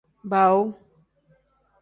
Baawu.